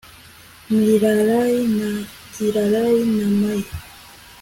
Milalayi na Gilalayi na Mayi